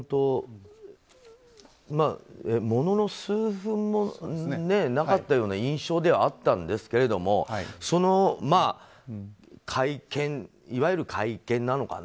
物の数分もなかったような印象ではあったんですけれどもいわゆる会見なのかな